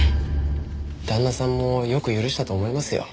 旦那さんもよく許したと思いますよ。